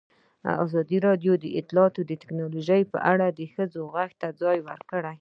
ازادي راډیو د اطلاعاتی تکنالوژي په اړه د ښځو غږ ته ځای ورکړی.